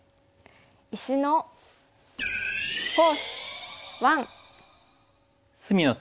「石のフォース１」。